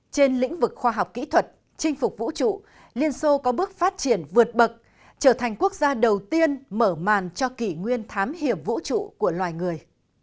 trên lĩnh vực khoa học kỹ thuật chinh phục vũ trụ liên xô có bước phát triển vượt bậc trở thành quốc gia đầu tiên mở màn cho kỷ nguyên thám hiểm vũ trụ của loài người